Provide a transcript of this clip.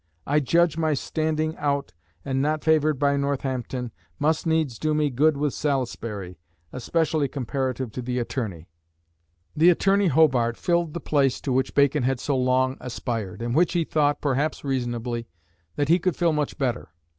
I judge my standing out, and not favoured by Northampton, must needs do me good with Salisbury, especially comparative to the Attorney." The Attorney Hobart filled the place to which Bacon had so long aspired, and which he thought, perhaps reasonably, that he could fill much better.